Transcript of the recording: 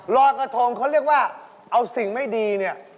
รอยกระทงเขาเรียกว่าเอาสิ่งไม่ดีเนี่ย